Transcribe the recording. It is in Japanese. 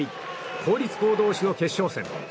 公立校同士の決勝戦。